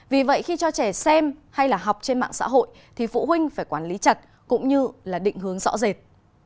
vì vậy khi cho trẻ xem hay là học trên mạng xã hội thì phụ huynh phải quản lý chặt cũng như là định hướng rõ rệt